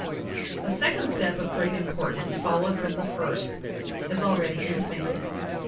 A second step of great importance followed from the first, as already intimated.